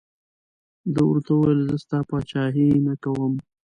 ده ورته وویل زه ستا پاچهي نه کوم.